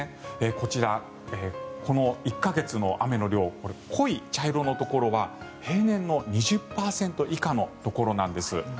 こちら、この１か月の雨の量これ、濃い茶色のところは平年の２０％以下のところなんです。